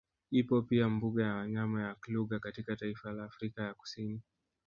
Ipo pia mbuga ya wanyama ya Kluger katika taifa la Afrika ya Kusini